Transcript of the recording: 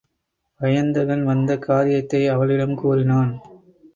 வயந்தகன் வந்த காரியத்தை அவளிடம் கூறினான்.